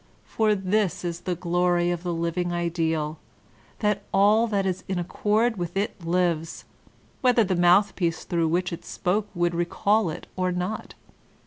For this is the glory of the living ideal, that all that is in accord with it lives, whether the mouthpiece through which it spoke would recall it or not.